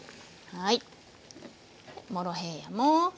はい。